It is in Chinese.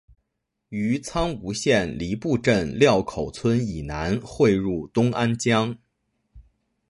于苍梧县梨埠镇料口村以南汇入东安江。